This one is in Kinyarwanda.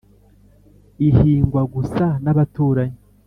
ihingwa gusa n’abaturanyi.